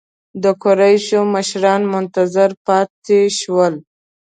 د قریشو مشران منتظر پاتې شول.